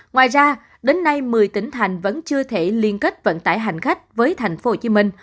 ngoài ra đến nay một mươi tỉnh thành vẫn chưa thể liên kết vận tải hành khách với tp hcm